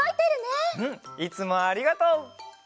うんいつもありがとう。